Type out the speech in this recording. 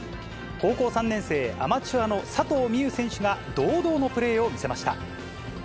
高校３年生、アマチュアの佐藤心結選手が堂々のプレーを見せました。